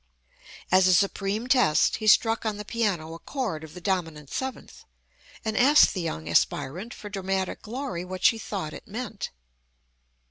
As a supreme test he struck on the piano a chord of the dominant seventh, and asked the young aspirant for dramatic glory what she thought it meant.